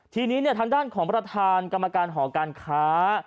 ทีนี้ทางด้านของประธานกรรมการหอการค้า